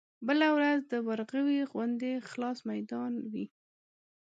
بله ورځ د ورغوي غوندې خلاص ميدان وي.